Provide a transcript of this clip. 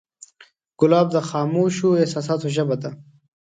ګلاب د خاموشو احساساتو ژبه ده.